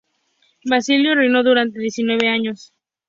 Basilio reinó durante diecinueve años.